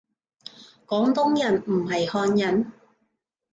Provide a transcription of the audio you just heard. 廣東人唔係漢人？